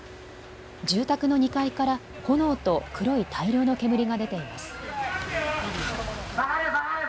住宅の２階から炎と黒い大量の煙が出ています。